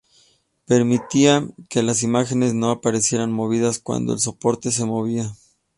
Permitía que las imágenes no aparecieran movidas cuando el soporte se movía.